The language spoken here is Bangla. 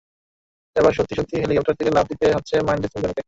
এবার সত্যি সত্যি হেলিকপ্টার থেকে লাফ দিতে হচ্ছে মহেন্দ্র সিং ধোনিকে।